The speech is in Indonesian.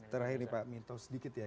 terakhir nih pak minto sedikit ya